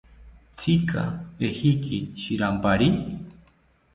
¿Tzika ejeki shirampari?